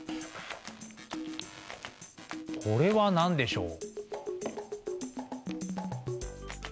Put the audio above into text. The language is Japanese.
これは何でしょう？